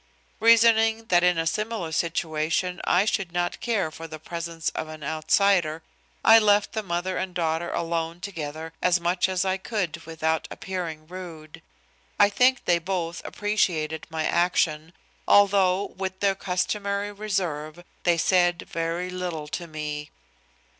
Reasoning that in a similar situation I should not care for the presence of an outsider, I left the mother and daughter alone together as much as I could without appearing rude. I think they both, appreciated my action, although, with their customary reserve, they said very little to me.